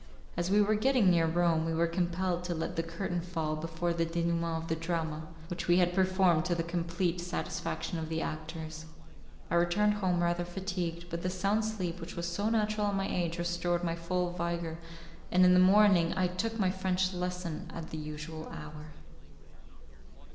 As we were getting near Rome we were compelled to let the curtain fall before the denouement of the drama which we had performed to the complete satisfaction of the actors. I returned home rather fatigued, but the sound sleep which was so natural at my age restored my full vigour, and in the morning I took my French lesson at the usual hour.